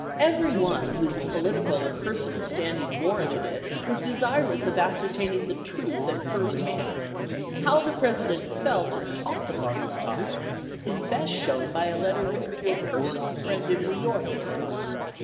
Every one whose political or personal standing warranted it was desirous of ascertaining the truth at first hand. How the President felt and talked upon this topic is best shown by a letter written to a personal friend in New York at the time.